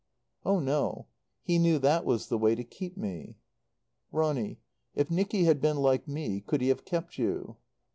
"Oh, no. He knew that was the way to keep me." "Ronny if Nicky had been like me could he have kept you?"